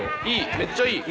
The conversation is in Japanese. めっちゃいい。